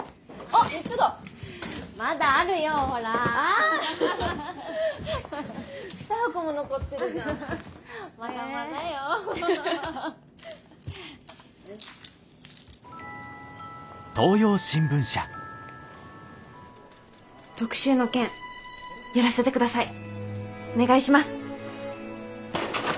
お願いします。